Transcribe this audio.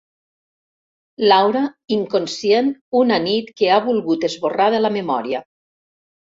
Laura inconscient una nit que ha volgut esborrar de la memòria.